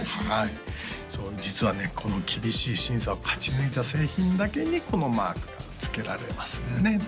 はいそう実はねこの厳しい審査を勝ち抜いた製品だけにこのマークがつけられますんでね